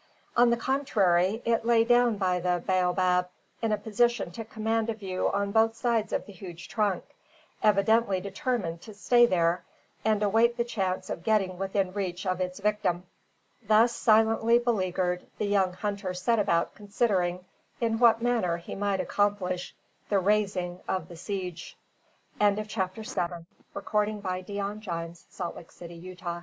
On the contrary, it lay down by the baobab in a position to command a view on both sides of the huge trunk, evidently determined to stay there and await the chance of getting within reach of its victim. Thus silently beleaguered, the young hunter set about considering in what manner he might accomplish the raising of the siege. CHAPTER EIGHT. RESCUED. The sun went down, the moon ascended above the t